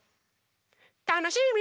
たのしみ！